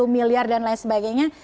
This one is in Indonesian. tiga puluh miliar dan lain sebagainya